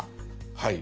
はい。